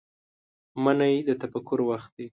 منی د تفکر وخت دی